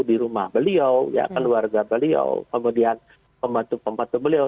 di rumah beliau ya keluarga beliau kemudian pembantu pembantu beliau